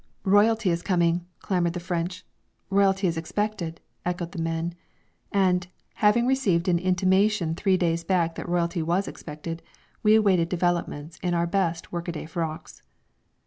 "Royalty is coming," clamoured the French. "Royalty is expected," echoed the men. And, having received an intimation three days back that Royalty was expected, we awaited developments in our best workaday frocks.